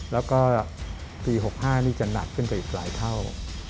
แล้วก็ปี๖๕นี่จะหนักขึ้นไปอีกหลายเท่า